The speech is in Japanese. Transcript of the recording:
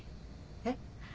えっ？